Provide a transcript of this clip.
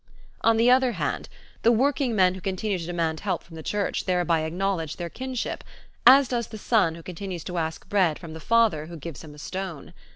On the other hand the workingmen who continue to demand help from the Church thereby acknowledge their kinship, as does the son who continues to ask bread from the father who gives him a stone.